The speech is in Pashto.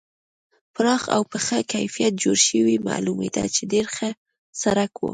پراخ او په ښه کیفیت جوړ شوی معلومېده چې ډېر ښه سړک و.